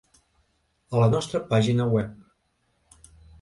A la nostra pàgina web.